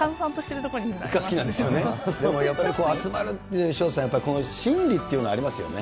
やっぱり集まるっていう、潮田さん、この心理っていうのはありますよね。